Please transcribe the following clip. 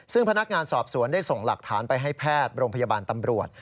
ซึ่งพนักงานสอบสวนได้ส่งหลักฐานไปให้แพทย์โรงพยาบาลตำรวจ